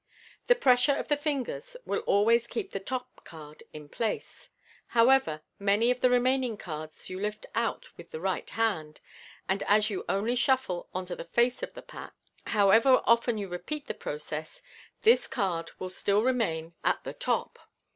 The pressure of the fingers will always keep the top card in its place, however many of the remaining cards you lift out with the right hand; and as you only shuffle on to the face of the pack, however often you re peat the process, this card will still remain at the top.